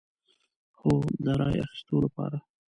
هو، د رای اخیستو لپاره